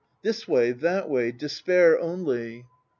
This way, that way. Despair only.